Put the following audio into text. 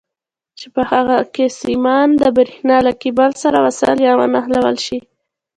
چې په هغو کې سیمان د برېښنا له کیبل سره وصل یا ونښلول شي.